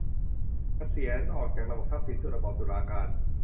เกษียร : จากระบอบทักษิณสู่ระบอบตุลาการ